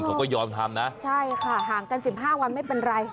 เขาก็ยอมทำนะใช่ค่ะห่างกัน๑๕วันไม่เป็นไร